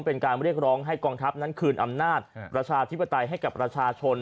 เป็นการเรียกร้องให้กองทัพนั้นคืนอำนาจประชาธิปไตยให้กับประชาชน